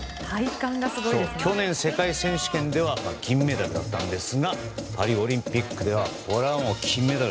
去年、世界選手権では銀メダルだったんですがパリオリンピックでは金メダル。